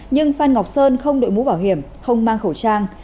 nhưng phan ngọc sơn không đội mũ bảo hiểm không mang khẩu trang